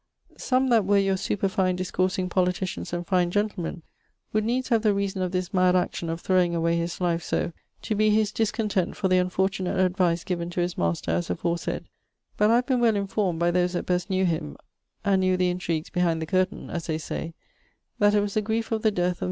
Some that were your superfine discoursing politicians and fine gentlemen, would needs have the reason of this mad action of throwing away his life so, to be his discontent for the unfortunate advice given to his master as aforesaid; but, I have been well enformed, by those that best knew him, and knew the intrigues behind the curtaine (as they say), that it was the griefe of the death of Mris